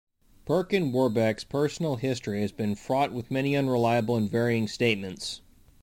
Perkin Warbeck's personal history has been fraught with many unreliable and varying statements.